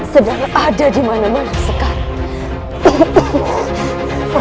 sedang ada dimana mana sekarang